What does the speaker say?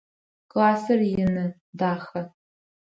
Классыр ины, дахэ.